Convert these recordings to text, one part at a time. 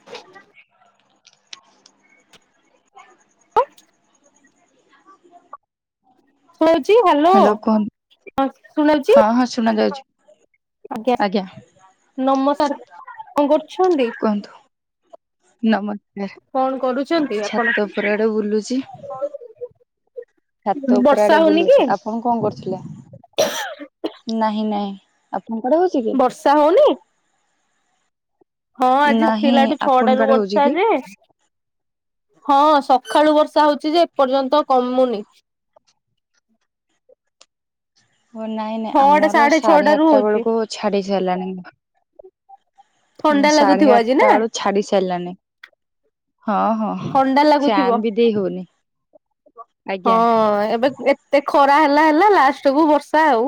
[inaudible] ଶୁଣଉଛି hello ହ ଶୁଣଉଛି। ହଁ ହଁ ଶୁଣା ଯାଉଛି। ଆଜ୍ଞା ନମ ସାର କଣ କରୁଛନ୍ତି? କୁହନ୍ତୁ କଣ ନମସ୍କାର କରୁଛନ୍ତି ଆପଣ? ଛାତପରାଡ ବୁଲୁଚି। ଛାତ ଉପରା ବର୍ଷା ଆଡେ ହଉନି କି ବୁଲୁଛି ଆପଣ କଣ କରୁଥିଲେ? ନାହିଁ ନାଇଁ ଆପଣ କଡ ହଉଛି କି? ତା ହୋଇନି। ହଁ ଆଜି ନାହିଁ ଥିଲାଠୁ ଛଅଟ ଆପଣଙ୍କ ରୁ ଆଡେ ହଉଛି ବର୍ଷା କି? ଯେ ହଁ ସକାଳୁ ବର୍ଷା ହଉଛି ଯେ ଏପର୍ଯ୍ୟନ୍ତ କମୁନି। ହ ନାଇଁ ନାଇଁ ଛଅଟା ଆମର ସାଢେ ଛଅଟା ରୁ ଆଠଟା ହଉଛି। ବେଳକୁ ଛାଡି ସାରିଲାଣି। ନା ଥଣ୍ଡା ସାଢେ ଲାଗୁଥିବ ଆଜି ନା ଆଠଟା ବେଳୁ ଛାଡି ସାରିଲାନି ହଁ ହଁ। ଥଣ୍ଡା ଫ୍ୟାନ ଲାଗୁଥିବ ବି ଦେଇ ହଉନି ହଁ ଆଜ୍ଞା ଏବେ। ଏତେ ଖରା ହେଲା ହେଲା ଲାଷ୍ଟ କୁ ବର୍ଷା ଆଉ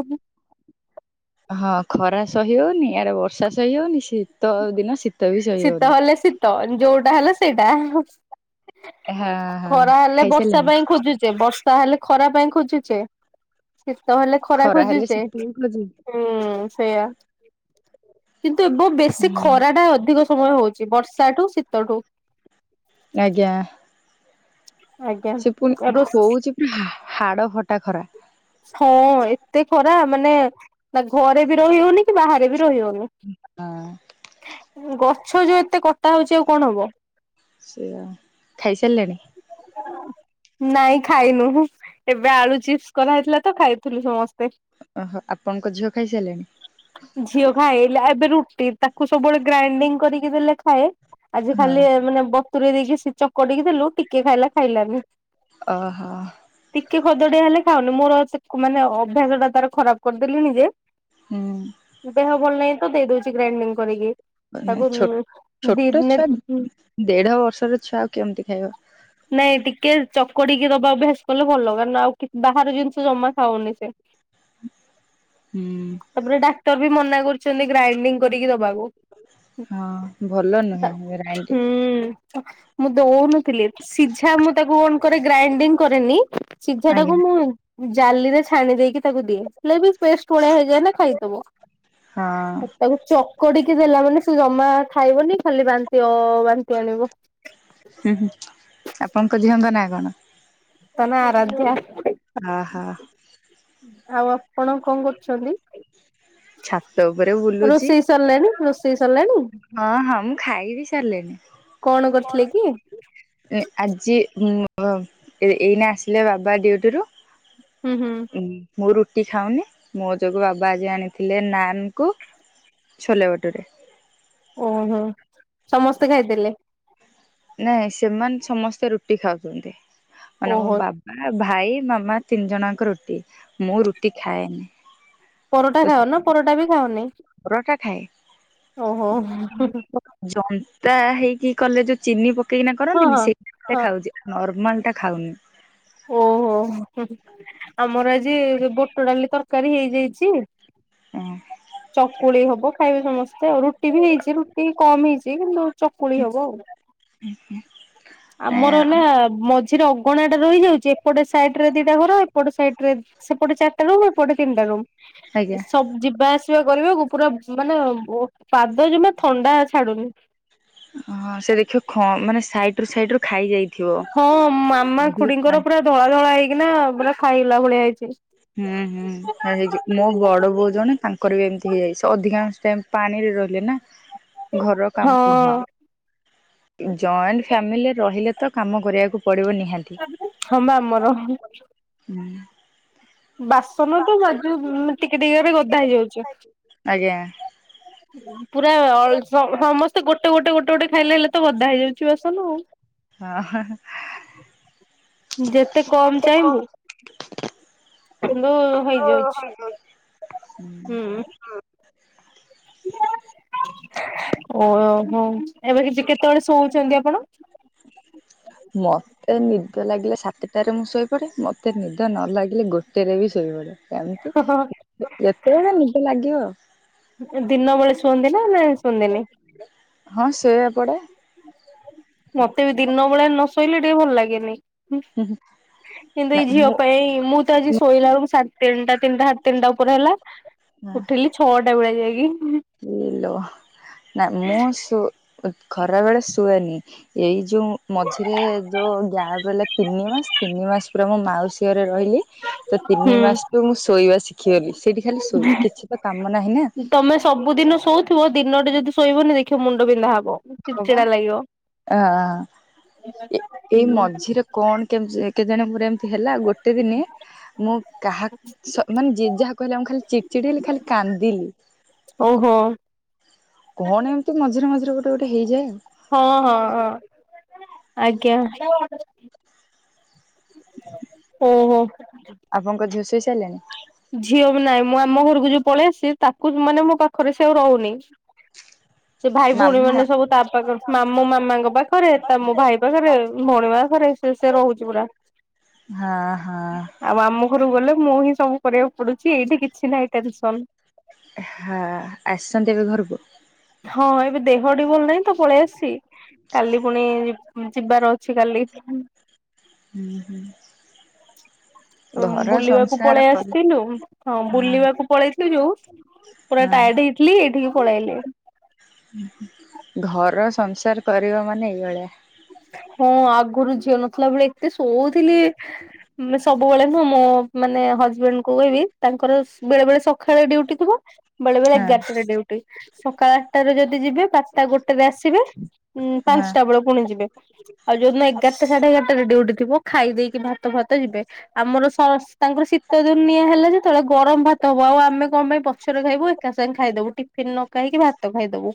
ହଁ ଖରା ସହି ହଉନି ୟାରେ ବର୍ଷା ସହି ହଉନି ଶୀତ ଦିନ ଶୀତ ବି ସହି ଶୀତ ହଉନି। ହେଲେ ଶୀତ ଯୋଉଟା ହେଲା ସେଇଟା। ହଁ ହଁ ଖରା ହେଲେ ବର୍ଷା ଖାଇସାରିଲାଣି ପାଇଁ ଖୋଜୁଚେ, ବର୍ଷା ହେଲେ ଖରା ପାଇଁ ଖୋଜୁଚେ। ଶିତହେଲେ, ଖରା ହେଲେ ଖୋଜୁଚେ। ଶୀତ ବି ଖୋଜେ ହୁଁ ସେଇୟା, କିନ୍ତୁ ଏବ ବେଶୀ ହୁଁ ଖରାଟା ଅ ଅଧିକ ସମୟ ହଉଛି, ବର୍ଷାଠୁ, ଶୀତଠୁ। ଆଜ୍ଞା। ଆଜ୍ଞା ସେ ପୁଣି ରୋ ହୋଉଛି, ହାଡ ଫଟା ଖରା। ହଁ ଏତେ ଖରା ମାନେ, ଘରେ ବି ରହି ହଉନି କି, ବାହାରେ ବି ରହି ହଉନି। ଆଁ। ଗଛ ଯୋଉ ଏତେ କଟା ହଉଛି, ଆଉ କଣ ହବ? ସେଇଆ, ଖାଇସାରିଲେଣି? ନାଇଁ ଖାଇନୁ, ଏବେ ଆଳୁ ଚିପ୍ସ କରାହେଇଥିଲା ତ, ଖାଇଥିଲୁ ସମସ୍ତେ। ଓହୋ, ଆପଣଙ୍କ ଝିଅ ଖାଇସାରିଲେଣି? ଝିଅ ଖାଇଲା ଏବେ ରୁଟି, ତାକୁ ସବୁବେଳେ ଗ୍ରାଇଣ୍ଡିଙ୍ଗ କରିକି ଦେଲେ ଖାଏ। ଆଜି ହଁ। ଖାଲି ମାନେ ବତୁରେଇ ଦେଇକି ସେ ଚକଟିକି ଦେଲୁ, ଟିକେ ଖାଇଲା, ଖାଇଲାନି। ଓହୋ। ଟିକିଏ ଖଦଡିଆ ହେଲେ ଖାଉନି, ମୋର ମାନେ ଅଭ୍ୟାସଟା ତାର ଖରାପ କରିଦେଲିଣି ଯେ ହୁଁ। ଦେହ ଭଲ ନାହିଁ ତ, ଦେଇ ଦଉଛି ଗ୍ରାଇଣ୍ଡିଙ୍ଗ କରିକି। ତାକୁ ଛୋଟ ଉଁ ଦି ଛୋଟ ଦିନେ ଛୁଆ ଦେଢ ବର୍ଷର ଛୁଆ, ଆଉ କେମିତି ଖାଇବ? ନାଇଁ ଟିକେ ଚକଡିକି ଦବା ଅଭ୍ୟାସ କଲେ ଭଲ। କାରଣ ଆଉ କିବାହାର ଜିନିଷ ଜମା ଖାଉନି ସେ? ହୁଁ। ତାପରେ ଡାକ୍ତର ବି ମନା କରିଚନ୍ତି, ଗ୍ରାଇଣ୍ଡିଙ୍ଗ କରିକି ଦବାକୁ। ହଁ ଭଲ ନୁହେଁ, ଗ୍ରାଇଣ୍ଡିଙ୍ଗ। ହୁଁ ମୁଁ ଦଉନଥିଲି, ସିଝା ମୁଁ ତାକୁ କଣ କରେ, ଗ୍ରାଇଣ୍ଡିଙ୍ଗ କରେନି ସିଝା ଆଜ୍ଞା ଟାକୁ ମୁଁ ମୁଁ ଜାଲିରେ ଛାଣି ଦେଇକି ତାକୁ ଦିଏ, ହେଲେ ବି ପେଷ୍ଟ ଭଳିଆ ହେଇଯାଏ ନା, ଖାଇଦେବ। ହଁ ତାକୁ ଚ ଚକଡିକି ଦେଲା ମାନେ ସେ ଜମା ଖାଇବନି, ଖାଲି ବାନ୍ତି ଅ ବାନ୍ତି ଆଣିବ। ହୁଁ, ହୁଁ ଆପଣଙ୍କ ଝିଅଙ୍କ ନା କଣ? ତା ନା ଆରାଧ୍ୟା। ଆହା। ଆଉ, ଆପଣ କଣ କରୁଛନ୍ତି? ଛାତ ଉପରେ ବୁଲୁଛି ରୋଷେଇ ସରିଲାଣି ରୋଷେଇ ସରିଲାଣି? ହଁ, ହଁ ମୁଁ ଖାଇ ବି ସାରିଲିଣିି। କଣ କରିଥିଲେ କି? ଏ ଆଜି ଉଁ, ଏଇନା ଆସିଲେ ବାବା ଡ୍ୟୁଟିରୁ ହୁଁ ହୁଁ। ମୁଁ ରୁଟି ଖାଉନି ମୋ ଯୋଗୁ ବାବା ଆଜି ଆଣିଥିଲେ ନାନକୁ ଛୋଲେ ବଟୁରେ। ଓହୋ, ସମସ୍ତେ ଖାଇଦେଲେ? ନାଇଁ, ସେମାନେ ସମସ୍ତେ ରୁଟି ଖାଉଚନ୍ତି, ମାନେ ମୋ ଓହୋ ବା ଆଉ ଭାଇ, ମାମା ତିନି ଜଣଜାଙ୍କ ରୁଟି, ମୁଁ ରୁଟି ଖାଏନି। ପରଟା ତ ଖାଅ, ନା ପରଟା ବି ଖାଅନି? ପରଟା ଖାଏ। ଓହୋ ଜନ୍ତା ହେଇକି କଲେ, ଯୋଉ ଚିନି ପକେଇକିନା ହଁ କରନ୍ତିନି, ହଁ। ସେଇତା ହଁ ଖାଉଛି। ନର୍ମାଲ ଟା ଖାଉନି। ଓହୋ, ଆମର ଆଜି ବୁଟ ଡାଲି ତରକାରୀ ହେଇଯାଇଚି ଚକୁଳି ହବ, ଖାଇବେ ସମସ୍ତେ, ରୁଟି ବି ହେଇଚି। ରୁଟି କମ ଇଟିଲି ନହେଲେ ଚକୁଳି ହବ ଆଉ। ଆମର ହେଲା ମଝିରେ ଅଗଣା ଟା ରହିଯାଉ ଯେ ଏପଟେ ସାଇଟ ରେ ଦିଟା ଘର, ଏପଟ ସାଇଟରେ ସେପଟେ ଚାରିଟା ରୁମ୍, ଏପଟେ ତିନିଟା ରୁମ୍। ଆଜ୍ଞା ଏସବୁ ଜିବା ଆସି ୁଆ କରିବାକୁ ପୁରା ମାନେ ପାଦ ଜମା ଥଣ୍ଡା ଛାଡୁନି। ହଁ ସେ ଦେଖିବ ମାନେ ସାଇଡ ରୁ ସାଇଡ ରୁ ଖାଇ ଯାଇ ହଁ ମାମା ଖୁଡିଙ୍କର ପୁରା ଧଳା ଧଳା ହେଇକିନା ପୁରା ଖାଇଲା ଭଳିଆ ହେଇଛି। ହୁଁ ହୁଁ ହେଇଯ ମୋ ଗଡ ବୋଉ ଜଣେ ତାଙ୍କର ବି ଏମିତି ହେଇଯାଇଛି ସେ ଅଧିକାଂଶ ଟାଇମ ପାଣି ରେ ରହିଲେ ନା। ଘରର କାମ ଘର ହଁ। ଜଏଣ୍ଟ ଫ୍ୟାମିଲି ରହିଲେ ତ କାମ କରିବାକୁ ପଡ଼ିବ ନିହାତି। ହଁ ବା ଆମର। ହୁଁ ବାସନ ତ ଯଜୁ ଟିକେ ଟିକେ ଏବେ ଗଦା ଆଜ୍ଞା ହେଇଯାଉଛି। ପୁରା ସମସ୍ତେ ଗୋଟେ ଗୋଟେ ଗୋଟେ ଗୋଟେ ଖାଇଲେ ହେଲେ ତ ଗଧା ହେଇଯାଉଛି ବାସନ ଆଉ। ହଁ ଯେତେ କମ ଚାହିଁବୁ [unintelligible] ହେଇଯାଉଛି ହୁଁ ଓହୋ ଏବେ କି କେତେବେଳେ ଶୋଉଛନ୍ତି ଆପଣ? ମ ମୋତେ ନିଦ ଲାଗିଲେ ସାତଟାରେ ମୁଁ ଶୋଇପଡେ ମତେ ନିଦ ନ ଲାଗିଲେ ଗୋଟେରେ ବି ଶୋଇପଡେ। କେମିତି ଯେତେବେଳେ ନିଦ ଲାଗିବ ଦିନ ବେଳେ ଶୁଅନ୍ତିି ନା ନା ଶୁଅନ୍ତିିନି? ହଁ ସେଆପଡେ। ମତେ ବି ଦିନଭେଳା ନ ଶୋଇଲେ ଟିକେ ଭଲ ଲାଗେନି। ଁ କିନ୍ତୁ ଏଇ ନାଇଁ ଝିଅ ମୁଁ ପାଇଁ ମୁଁ ତ ଆଜି ଶୋଇଲା ବେଲକୁ ତିନିଟା ତିନିଟା ସାତ ତିନିଟା ଉପରେ ହେଲା ଉଠିଲି ଛଅଟା ବେଳିଆ ଯାଇକି। [unintelligible] ନା ମୁଁ ଖରାବେେଳେ ଶୁଏନି। ଏଇ ଯୋଉ ମଝିରେ ଯୋଉ [unintelligible] ତିନି ମାସ ତିନି ମାସ ପୁରା ମୋ ମାଉସୀ ରେ ରହିଲି ତ ତିନି ମାସ ହୁଁ। ତୁ ମୁଁ ଶୋଇବା ଶିଖି [unintelligible] ସେଇଠି ଖାଲି ଶୋଇ କିଛି ତ କାମ ନାହିଁ ନା। ତମେ ସବୁଦିନ ସଉ ଥିବ ଦିନଟେ ଯଦି ଶୋଇବନି ଦେଖିବ ମୁଣ୍ଡ ବିିନ୍ଧା ହବ। ଚିଡ୍ ହବା ଚିଡା ଲାଗିବ। ଅ ଏଇ ହୁଁ। ମଝିରେ କଣ କେମଯେ କେଜାଣି ବ୍ରେମଥ୍ ହେଲାଉ ଗୋଟେ ଦିନେ ମୁଁ କାହା ମାନେ ଯିଏ ଯାହା କହିଲା ମୁ ଖାଲି ଚିଡି ଚିଡ଼ି ହେଲି ଖାଲି କାନ୍ଦିଲି। ଓହୋ କଣ ଏମିତି ମଝରେଝିରେ ଗୋଟେ ଗୋଟେ ହେଇଯାଏ ଆଉ। ହଁ ହଁ ହଁ ଆଜ୍ଞା। ହୁଁ ହଁ ଆପଣଙ୍କ ଝିଅ ଶୋଇସାଏଇଲାଣି? ଝିଅ ବି ନାହିଁ ମୁଁ ଆମ ଘରକୁ ଯୋଉ ପଳେଇ ଆସିଛି ତାକୁ ମାନେ ମୋ ପାଖରେ ସେ ଆଉ ରହୁନି। ସେ ଭାଇ ମାମୁଁ ଭଉଣୀମାନେ ସବୁ ତା ପାଖରେ ମାମୁଁ ମାମାଙ୍କ ପାଖରେ, ତା ମୋ ଭାଇ ପାଖରେ, ଭଉଣୀ ପାଖରେ ସେ ସେ ରହୁଛି ପୁରା। ହଁ ହଁ। ଆଉ ଆମ ଘରୁକୁ ଗଲେ ମୁଁ ହିଁ ସବୁ କରିବାକୁ ପଡୁଛି, ଏଇଠି କିଛି ନାହିଁ ଟେନସନ୍। ହଁ, ଆସଛନ୍ତି ଏବେ ଘରକୁ? ହଁ, ଏବେ ଦେହଟି ଭଲ ନାହିଁ ତ ପଳେଇ ଆସିଚି, କାଲି ପୁଣି ଯି ଯିବାର ଅଛି କାଲିକି ଫୁଣି ହୁଁ ହୁଁ। ଘର ବୁଲିବାକୁ ସଂସାର ପଳେଇ କଲା ଆସିଥିଲୁ, ହଁ ବୁଲିବାକୁ ପଳେଇଥିଲୁ ଯୋଉ ପୁରା ହଁ ଟାୟାର୍ଡ ହେଇଥିଲି, ଏଇଠିକି ପଳେଇଆଇଲି। ଘର ସଂସାର କରିବ ମାନେ ଏଇଭଳିଆ। ହଁ, ଆଗୁରୁ ଝିଅ ନଥିଲା ବେଳେ ଏତେ ଶୋଉଥିଲି, ଉମ୍ ସବୁ ସବୁବେଳେ ନୁହଁ ମୋ ମାନେ ହଜବେଣ୍ଡଙ୍କୁ କହିବି, ତାଙ୍କର ବେଳେବେଳେ ସଖାଳେ ଡ୍ୟୁଟି ଥିବ ବେଳେବେଳେ ହଁ ଏଗାରଟାରେ ଡ୍ୟୁଟି। ସକାଳ ଆଠଟାରେ ଯଦି ଯିବେ ବାରଟା ଗୋଟେରେ ଆସିବେ ଉମ୍ ହଁ ପାଞ୍ଚଟା ବେଳେ ପୁଣି ଯିବେ। ଆଉ ଯୋଉଦିନ ଏଗାରଟା ସାଢେ ଏଗାରଟାରେ ଡ୍ୟୁଟି ଥିବ, ଖାଇ ଦେଇକି ଭାତ ଫାତ ଯିବେ। ଆମର ସ ଅସ୍ ତାଙ୍କର ଶୀତଦିନିଆ ହେଲା ଯେତେବେଳେ, ଗରମ ଭାତ ହବ। ଆଉ ଆମେ କଣ ପାଇଁ ପଛରେ ଖାଇବୁ ଏକା ସାଙ୍ଗେ ଖାଇଦବୁ। ଟିଫିନ୍ ନ ଖାଇକି ଭାତ ଖାଇଦବୁ।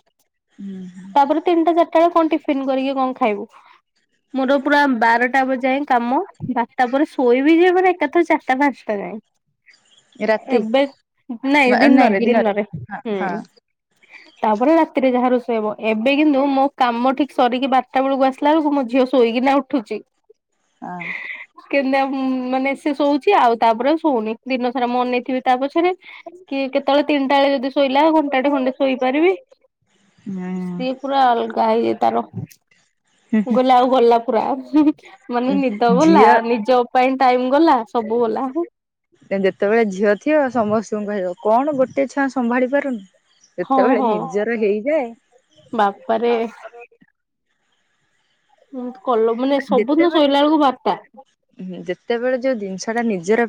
ହୁଁ ହୁଁ। ତିନଟା ଚାରିଟା ବେଳେ କଣ ଟିଫିନ୍ କରିକି କଣ ଖାଇବୁ? ହଁ ମୋର ପୁରା ବାରଟା ବ ଯାଏଁ କାମ, ବାରଟା ପରେ ଶୋଇବି ଯେ ମାନେ ଏକାଥରେ ଚାରିଟା ପାଞ୍ଚଟା ଯାଏଁ। ରାତି ଏବେ ନାଇଁ, ଦିନରେ ଦିନରେ ହୁଁ। ତାପରେ ରାତିରେ ଯାହା ରୋଷେଇ ହେବ। ଏବେ କିନ୍ତୁ ମୋ କାମ ଠିକ ସରିକି ବାରଟା ବେଳକୁ ଆସି ସିଲା ବେଳକୁ ମୋ ଝିଅ ଶୋଇକିନା ଉଠୁଛି। ହଁ। କେମତିଆ ଉମ୍ ମାନେ ସେ ଶୋଉଛି, ଆଉ ତାପରେ ଶୋଉନି। ଦିନସାରା ମୁଁ ଅନେଇଥିବି ତା ପଛରେ କି କେତେବେଳେ ତିନିଟା ବେଳେ ଯଦି ଶୋଇଲା, ଘଣ୍ଟାଟେ ଖଣ୍ଡେ ଶୋଇପାରିବି ସିଏ ହଁ। ପୁରା ଅଲଗା ହେଇଯାଏ ତାର। ମୁଁ କହିଲି ଆଉ ଗଲା ପୁରା, ହୁଁ ହୁଁ, ମାନେ ନିଦ ଗଲା, ଝିଅ ନିଜ ପାଇଁ ଟାଇମ୍ ଗଲା, ସବୁ ଗଲା। ଯେତେବେଳେ ଝିଅ ଥିବ ସମସ୍ତଙ୍କୁ କହିବ, କଣ ଗୋଟେ ଛୁଆ ସମ୍ଭାଳି ପାରୁନୁ? ହଁ ଯେତବେଳେ ହଁ ନିଜର ହେଇଯାଏ ବାପାରେ କଲ ମାନେ, ସବୁଦିନ ଯେତେବେଳେ ଶୋଇଲା ବେଳକୁ ବାରଟା। ଯେତେବେଳେ ଯୋଉ ଜିନିଷଟା ନିଜର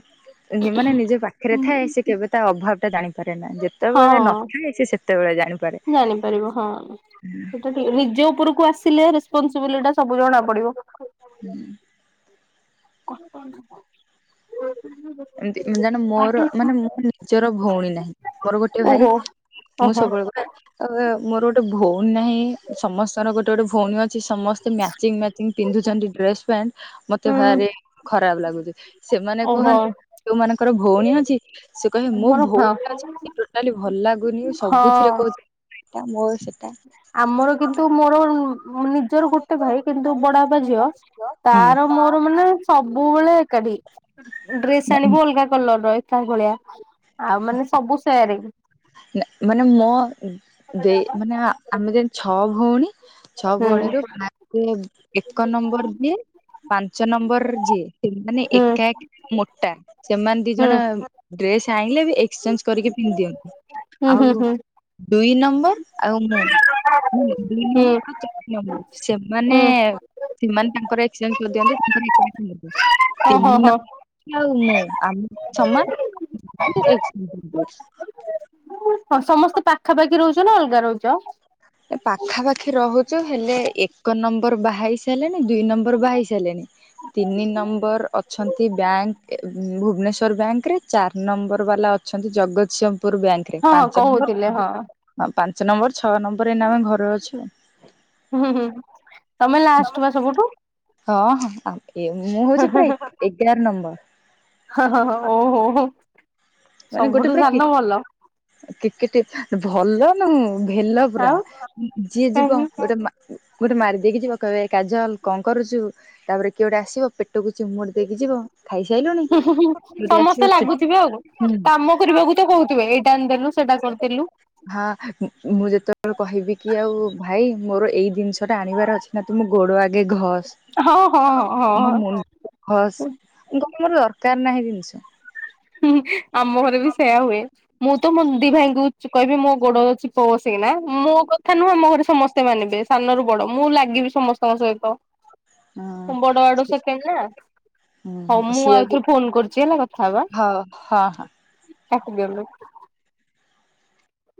ମାନେ ନିଜ ପାଖରେ ଥାଏ, ସେ କେବେ ତା ଅଭାବଟା ଜାଣିପାରେନା। ଯେତେବେଳେ ହଁ ନଥାଏ, ସେ ସେତ ସେତେବେଳେ ଜାଣୁ। ଜାଣିପାରିବ, ହଁ। ସେଟା ଠିକ୍, ନିଜ ଉପରକୁ ଆସିଲେ ସବୁ କରୁଚି ଏଇଟା ସବୁ ଜଣା ପଡିବ। ହୁଁ। [unintelligible] [inaudible] ଏମତି ଜାଣ ମୋର ମାନେ ମୋ ନିଜର ଭଉଣୀ ନାହିଁ, ମୋର ଗୋଟେ ଭାଇ ଓହୋ। ମୁଁ ଓହୋ ସବୁବେଳେ କୁହେ କହିବି ମୋର ଗୋଟେ ଭଉଣୀ ନାହିଁ, ସମସ୍ତଙ୍କର ଗୋଟେ ଗୋଟେ ଭଉଣୀ ଅ ଛି ସମସ୍ତେ ମ୍ୟାଚିଂ ମ୍ୟାଚିଂ ପିନ୍ଧୁଛନ୍ତି ଡ୍ରେସ ପ୍ୟାଣ୍ଟ, ମତେ ହୁଁ ଭାରି ଖରାପ ଲାଗୁଛି। ସେମାନେ ଓହୋ କୁହନ୍ତି, ଯୋଉମାନଙ୍କର ଭଉଣୀ ଅଛି ସେ କହିବେ ମୋ ଆମର ହଁ ଭଉଣୀଟା ଅଛି ମତେ ଟୋଟାଲି ଭଲ ଲାଗୁନି, ସବୁଥିରେ ହଁ। କହୁଛି ସେଇଟା ମୋର ସେଟା। ଆମର କିନ୍ତୁ ମୋର ନୁ ନିଜର ଗୋଟେ ଭାଇ କିନ୍ତୁ ବଡାଆବା ଝିଅ ତାର ମୋର ମାନେ ସବୁବେଳେ ଏକାଠି। ଡ୍ରେସ୍ ହୁଁ ଆଣିବୁ ଅଲଗା କଲର ର ଏକା ଭଳିଆ ଆଉ ମାନେ ସବୁ ସେୟାରିଙ୍ଗ। ନା ମାନେ ମୋ ଦେଇ ମାନେ ଆମେ ଯେମିତି ଛଅ ଭଉଣୀ ଛଅ ହୁଁ ଭଉଣୀରୁ ଏକ ନମ୍ବର ଯିଏ। ପାଞ୍ଚ ନମ୍ବର ଯିଏ ମାନେ ହୁଁ ଏକା ଏକା ମୋଟା ସେମାନେ ଦି ହୁଁ ଜଣ ଡ୍ରେସ ଆଣିଲେ ବି ଏକ୍ସଚେଞ୍ଜ କରିକି ପିନ୍ଧି ଦିଅନ୍ତିୁ। ହୁଁ ହୁଁ ଆଉ ହୁଁ। ଦୁଇ ନମ୍ବର ଆଉ ମୁଁ ନ ହୁଁ ସେମାନେ ହୁଁ ସେମାନେ ତାଙ୍କର ଏକ୍ସଚେଞ୍ଜ କରିଦିଅନ୍ତି ତାଙ୍କର ଓହୋ ହୋ। କେମିନ ଆଉ ମୁଁ ଆମ ସମାନ ଆମେ ବି ଏକ୍ସଚେଞ୍ଜ କରିଦୋଉ। ହଁ ସମସ୍ତେ ପାଖାପାଖି ରହୁଚ ନା ଅଲଗା ରହୁଚ? ପାଖା ପାାଖି ରହୁଛୁ ହେଲେ ଏକ ନମ୍ବର ବାହେଇ ସାରିଲେଣି ଦୁଇ ନମ୍ବର ବାହେଇ ସାରିଲେଣି ତିନି ନମ୍ବର ଅଛନ୍ତି ବ୍ୟାଙ୍କ ଭୁବନେଶ୍ଵର ବ୍ୟାଙ୍କ ରେ ଚାରି ନମ୍ବର ବାଲା ଅ ଅଛନ୍ତି ଜଗତସିଂହପୁର ବ୍ୟାଙ୍କ ରେ ହଁ ହଁ ପାଞ୍ଚ କହୁଥିଲେ ନମ୍ବର ହଁ ହଁ ପାଞ୍ଚ ନମ୍ବର ଛଅ ନମ୍ବର ଏଇନା ଆମେ ଘରେ ଅଛୁ ଆଉ। ହୁଁ ହୁଁ ତମେ ଲାଆଷ୍ଟେ ବା ସବୁଠୁ? ହଁ ହଁ ମୁଁ ହଉଚି ପୁରା ଏଗାର ନମ୍ବର। ହଁ ହଁ ହଁ ଓହୋ ହୋ। ମାନେ ଗୋଟେ ସବୁଠୁ ପୁରା ସାନ କ୍ରି ଭଲ କ୍ରିକେଟି ଭଲ ନୁ ଭେଲ ପୁରା ଆଉ ଯିଏ ଯିବ କାହିଁକି ଗୋଟେ ମା ଗୋଟେ ମାରିଦେକି ଯିବ କହିବ ଏ କାଜଲ କଣ କରୁଛୁ। ତାପରେ କିଏ ଗୋଟେ ଆସିବ ପେଟକୁ ଚିମୁଡି ଦେଇକି ଯିବ। ଖାଇସାଇି ଲୁଣି? ସମସ୍ତେ ଲାଗୁଥିବେ ଆଉ। ହୁଁ କାମ କରିବାକୁ ତ କହୁଥିବେ ଏଇଟା ଆଣିଦେଲୁ ସେଟା କରିଦେଲୁ? ହଁ ମୁଁ ଯେତେବେଳେ କହିବି କି ଆଉ ଭାଇ ମୋର ଏଇ ଜିନିଷ ଟେ ଆଣିବାର ଅଛି ନା ତୁମ ଗୋଡ ଆଗେ ହଁ ହଁ ଘସ ହଁ ହଁ। ମୋ ମୁଣ୍ଡ ହସ୍ କଣ ମୋର ଦରକାର ନାହିଁ ଜିନିଷ। ହୁଁ ହୁଁ ଆମ୍ବ ଘରେ ବି ସେୟା ହୁଏ। ମୁଁ ତ ମୋ ଦି ଭାଇଙ୍କୁ କହିବି ମୋ ଗୋଡଚିପ ବସିକିନା ମୋ କଥା ନୁହଁ ଆମ ଘରେ ସମସ୍ତେ ମାନିବେ। ସାନରୁୁ ବଡ ମୁଁ ଲାଗିବି ସମସ୍ତଙ୍କ ସହିତ ହଁ ବଡ ଆଡୁ ସେକେଣ୍ଡ ନା। ହଁ ମୁଁ ସିଏ ଆଉ ବି ଥରେ ଫୋନ କରୁଚି ହେଲା କଥା ହବା? ହଁ ହଁ। ତାକୁ ଦେଲୁ।